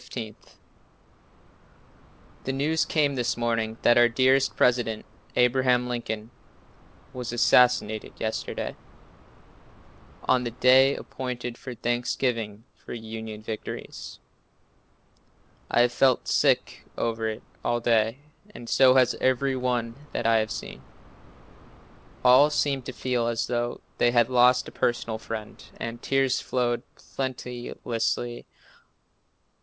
The news came this morning that our dear president, Abraham Lincoln, was assassinated yesterday, on the day appointed for thanksgiving for Union victories. I have felt sick over it all day and so has every one that I have seen. All seem to feel as though they had lost a personal friend, and tears flow plenteously.